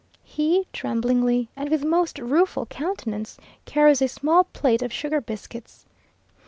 He tremblingly, and with most rueful countenance, carries a small plate of sugar biscuits.